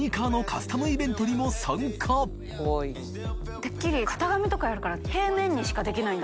てっきり型紙とかやるから森川）えっ？